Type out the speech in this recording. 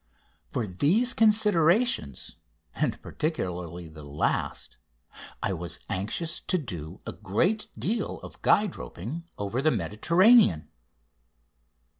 For these considerations and particularly the last I was anxious to do a great deal of guide roping over the Mediterranean.